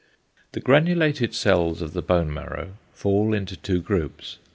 The granulated cells of the bone marrow fall into two groups.